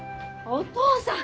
お父さん！